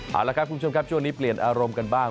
เอาละครับคุณผู้ชมครับช่วงนี้เปลี่ยนอารมณ์กันบ้าง